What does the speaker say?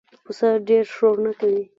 پسه ډېره شور نه کوي.